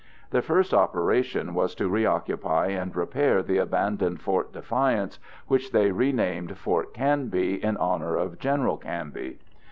Their first operation was to reoccupy and repair the abandoned Fort Defiance, which they renamed Fort Canby in honor of General Canby.